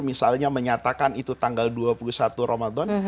misalnya menyatakan itu tanggal dua puluh satu ramadan